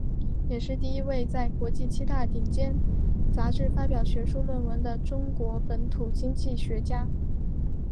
也是第一位在国际七大顶尖杂志发表学术论文的中国本土经济学家。